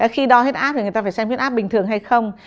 khi đo huyết áp thì người ta phải xem huyết áp bình thường hay không